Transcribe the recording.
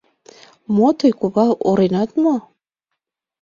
«Мо тый, кува, оренат мо?